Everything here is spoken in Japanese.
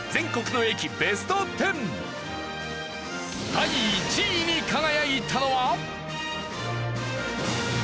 第１位に輝いたのは。